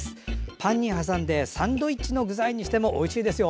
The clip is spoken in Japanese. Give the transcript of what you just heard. パンに挟んでサンドイッチの具材にしてもおいしいですよ。